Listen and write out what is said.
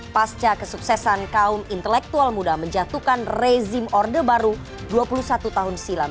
pasca kesuksesan kaum intelektual muda menjatuhkan rezim orde baru dua puluh satu tahun silam